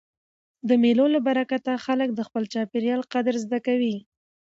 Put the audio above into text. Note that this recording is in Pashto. د مېلو له برکته خلک د خپل چاپېریال قدر زده کوي.